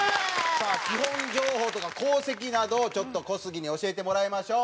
さあ基本情報とか功績などをちょっと小杉に教えてもらいましょう。